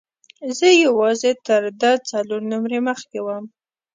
زه یوازې تر ده څلور نمرې مخکې وم.